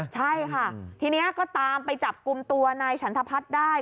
ใช่ค่ะทีนี้ก็ตามไปจับกลุ่มตัวนายฉันทพัฒน์ได้